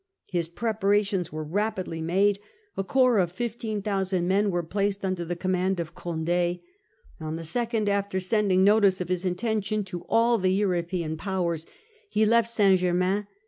His preparations were rapidly made. A corps of 15,000 men was placed under the command of Condd. On the 2nd, after sending notice of his intention to all the European powers, he left St. Germain, In a 1 668.